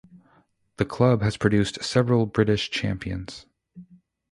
The club has produced several British champions.